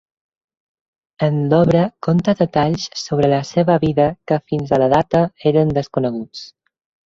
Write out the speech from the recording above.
En l'obra conta detalls sobre la seva vida que fins a la data eren desconeguts.